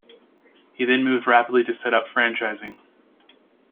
He then moved rapidly to set up franchising.